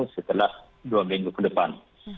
setelah dua minggu ke depan